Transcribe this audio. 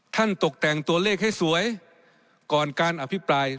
ตกแต่งตัวเลขให้สวยก่อนการอภิปราย